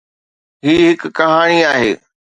هي هڪ ڪهاڻي آهي.